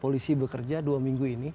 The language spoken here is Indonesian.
polisi bekerja dua minggu ini